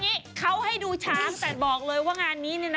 นี้เขาให้ดูช้างแต่บอกเลยว่างานนี้เนี่ยนะ